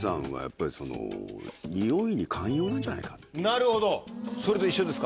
なるほどそれと一緒ですか？